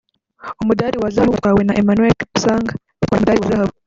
umudali wa zahabu watwawe na Emmanuel Kipsang yatwaye umudali wa zahabu